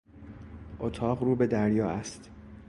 اتاق رو به دریا است.